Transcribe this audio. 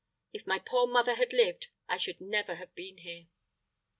If my poor mother had lived, I should never have been here."